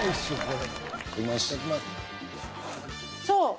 そう。